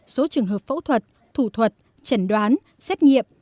số trường hợp phẫu thuật thủ thuật chẩn đoán xét nghiệm